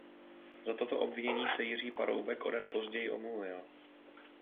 Za toto obvinění se Jiří Paroubek o den později omluvil.